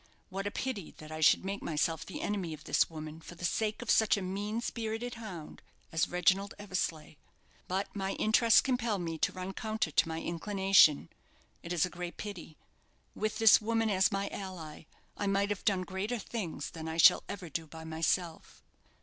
What a pity that I should make myself the enemy of this woman for the sake of such a mean spirited hound as Reginald Eversleigh! But my interests compel me to run counter to my inclination. It is a great pity. With this woman as my ally, I might have done greater things than I shall ever do by myself."